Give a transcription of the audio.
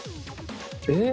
えっ？